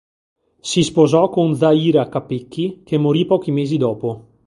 Si sposò con Zaira Capecchi, che morì pochi mesi dopo.